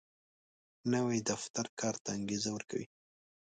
نوی دفتر کار ته انګېزه ورکوي